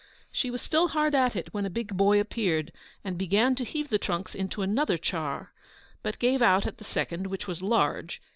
She was still hard at it when a big boy appeared, and began to heave the trunks into another char; but gave out at the second, which was large.